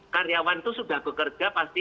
karyawan itu sudah bekerja pasti